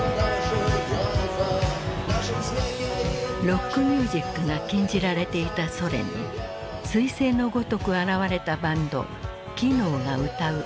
ロックミュージックが禁じられていたソ連にすい星のごとく現れたバンドキノーが歌う